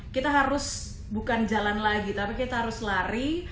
kita harus bukan jalan lagi tapi kita harus lari